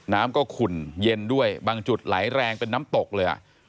น้ำก็ขุ่นเย็นด้วยบางจุดไหลแรงเป็นน้ำตกเลย